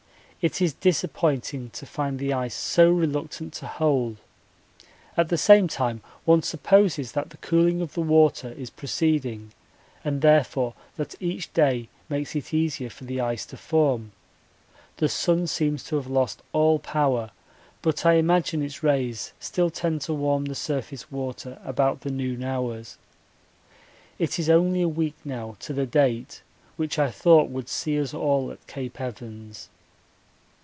It is disappointing to find the ice so reluctant to hold; at the same time one supposes that the cooling of the water is proceeding and therefore that each day makes it easier for the ice to form the sun seems to have lost all power, but I imagine its rays still tend to warm the surface water about the noon hours. It is only a week now to the date which I thought would see us all at Cape Evans.